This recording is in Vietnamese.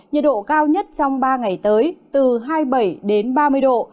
nhiệt độ cao nhất trong ba ngày tới từ hai mươi bảy đến ba mươi độ